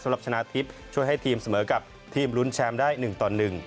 สำหรับชนะทิพย์ช่วยให้ทีมเสมอกับทีมรุ้นแชมป์ได้๑ต่อ๑